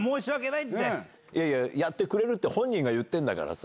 いやいや、やってくれるって、本人が言ってんだからさ。